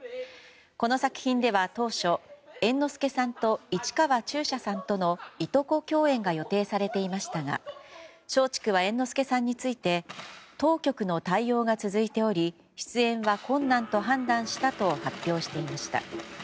この作品では当初猿之助さんと市川中車さんとのいとこ共演が予定されていましたが松竹は猿之助さんについて当局の対応が続いており出演は困難と判断したと発表していました。